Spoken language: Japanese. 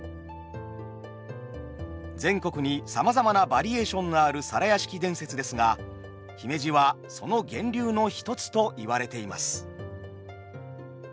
全国にさまざまなバリエーションのある皿屋敷伝説ですが姫路はその源流の一つと言われています。